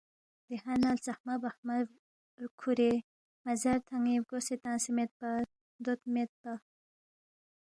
دہانہ ہلژحمہ بحمہ کھورے مزارتھنگنیگ بگوسے تنگسے میدپا دود میدپا۔